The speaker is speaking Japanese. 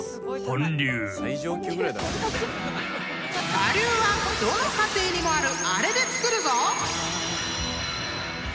［我流はどの家庭にもあるあれで作るぞ！］